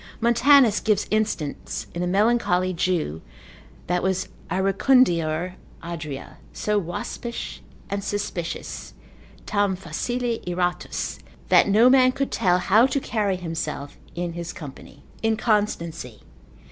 Montanus consil. 22. gives instance in a melancholy Jew, that was Iracundior Adria, so waspish and suspicious, tam facile iratus, that no man could tell how to carry himself in his company. _Inconstancy.